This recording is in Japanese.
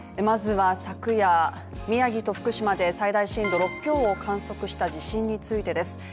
まずは昨夜、宮城と福島で最大震度６強を観測した地震についてです。